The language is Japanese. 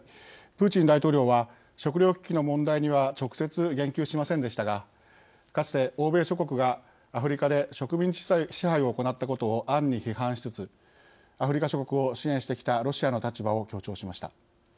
プーチン大統領は食糧危機の問題には直接言及しませんでしたがかつて欧米諸国がアフリカで植民地支配を行ったことを暗に批判しつつアフリカ諸国を支援してきたロシアの立場を強調しました。